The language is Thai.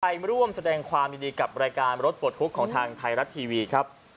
ไปร่วมแสดงความยินดีกับรายการรถปลดทุกข์ของทางไทยรัฐทีวีครับ